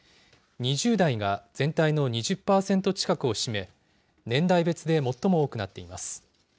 ２０代が全体の２０％近くを占め、年代別で最も多くなっています。